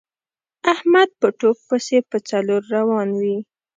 احمد په ټوک پسې په څلور روان وي.